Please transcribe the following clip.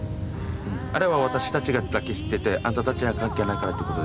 あれは私たちだけ知っててあなたたちには関係ないからってことで。